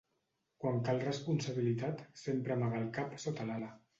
Quan cal responsabilitat, sempre amaga el cap sota l'ala.